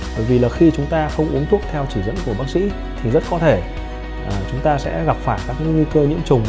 bởi vì là khi chúng ta không uống thuốc theo chỉ dẫn của bác sĩ thì rất có thể chúng ta sẽ gặp phải các nguy cơ nhiễm trùng